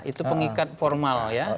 itu pengikat formal ya